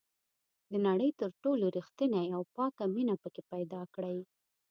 د نړۍ تر ټولو ریښتینې او پاکه مینه پکې پیدا کړئ.